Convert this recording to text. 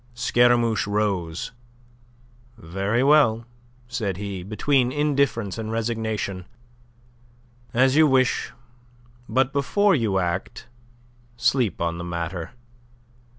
Scaramouche rose. "Very well," said he, between indifference and resignation. "As you wish. But before you act, sleep on the matter.